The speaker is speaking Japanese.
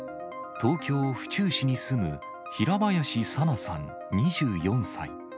東京・府中市に住む平林さなさん２４歳。